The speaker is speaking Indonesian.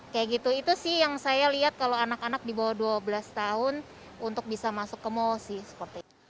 kayak gitu itu sih yang saya lihat kalau anak anak di bawah dua belas tahun untuk bisa masuk ke mall sih